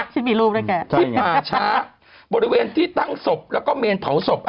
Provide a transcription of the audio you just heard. ที่ป่าช้าบริเวณที่ตั้งศพแล้วก็เมนเผาศพ